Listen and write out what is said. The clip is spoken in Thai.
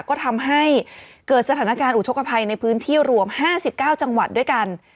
ก็ทำให้เกิดสถานการณ์อุทธกภัยในพื้นที่รวม๕๙จังหวัดด้วยกัน